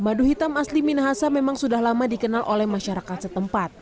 madu hitam asli minahasa memang sudah lama dikenal oleh masyarakat setempat